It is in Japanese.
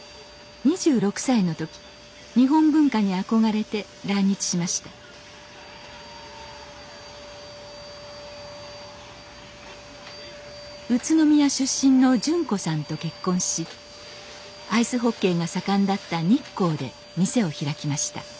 ２６歳の時日本文化に憧れて来日しました宇都宮出身の淳子さんと結婚しアイスホッケーが盛んだった日光で店を開きました